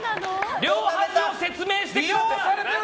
両端を説明してくれ！